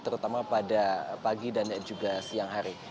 terutama pada pagi dan juga siang hari